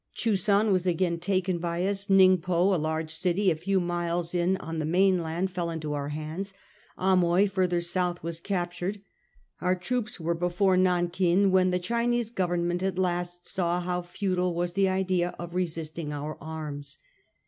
Chusan was again taken by ns ; Ningpo, a large city a few miles in on the mainland, fell into our hands ; Amoy, farther south, was captured ; our troops were before Nankin, when the Chinese Government at last saw how futile was the idea of resisting our arms.